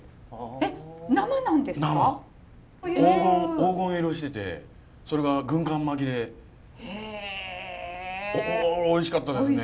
黄金色しててそれが軍艦巻きでおいしかったですね。